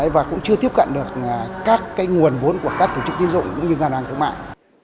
và cũng chưa tiếp cận được các nguồn vốn của các tổ chức tiến dụng cũng như ngân hàng thương mại